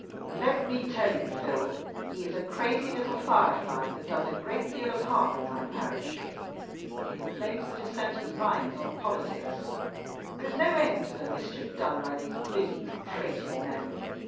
"Let me tell you, Phil, he's a crazy little firefly, that does a great deal of harm in my parish. He inflames the Dissenters' minds on politics. There's no end to the mischief done by these busy, prating men.